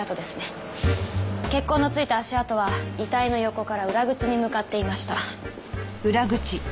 血痕の付いた足跡は遺体の横から裏口に向かっていました。